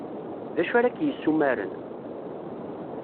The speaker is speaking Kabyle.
D acu ara k-yessumaren?